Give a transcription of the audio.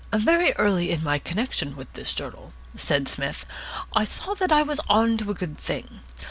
"Very early in my connection with this journal," said Psmith, "I saw that I was on to a good thing.